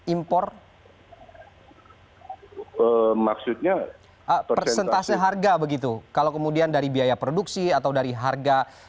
impor maksudnya persentase harga begitu kalau kemudian dari biaya produksi atau dari harga